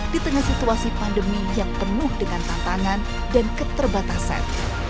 di tengah situasi pandemi yang penuh dengan tantangan dan keterbatasan